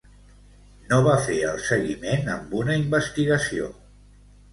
No va fer el seguiment amb una investigació.